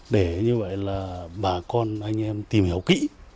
để như vậy là bà con anh em tìm hiểu kỹ